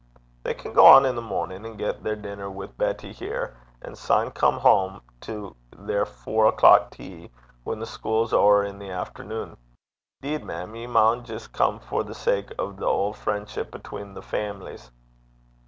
'They can gang i' the mornin', and get their denner wi' Betty here; and syne come hame to their fower hoors (four o'clock tea) whan the schule's ower i' the efternune. 'Deed, mem, ye maun jist come for the sake o' the auld frien'ship atween the faimilies.'